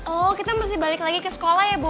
oh kita mesti balik lagi ke sekolah ya bu